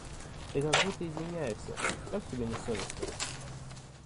Ты как будто извиняешься; как тебе не совестно.